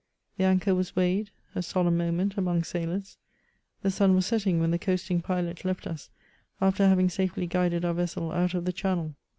The anchor was weighed — a solemn moment among sailors. The sun was setting when the coasting pilot left us, after having safely guided our vessel out of the channel.